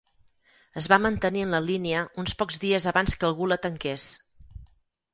Es va mantenir en la línia uns pocs dies abans que algú la tanqués.